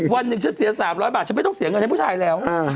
วันหนึ่งฉันเสีย๓๐๐บาทฉันไม่ต้องเสียเงินให้ผู้ชายแล้ว